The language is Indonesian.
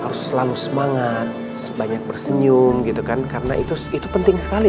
harus selalu semangat sebanyak bersenyum karena itu penting sekali